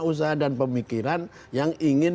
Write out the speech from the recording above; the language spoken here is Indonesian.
usaha dan pemikiran yang ingin